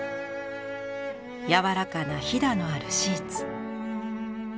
柔らかな襞のあるシーツ。